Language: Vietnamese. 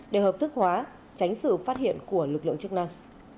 để hợp thức hóa tránh sự phát hiện của lực lượng chức năng